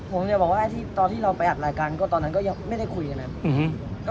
ผมจะบอกว่าตอนที่เราไปอัดรายการก็ตอนนั้นก็ยังไม่ได้คุยกันเลย